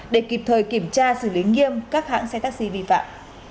để kịp thời kiểm tra xử lý nghiêm các hãng xe taxi vi phạm